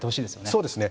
そうですね。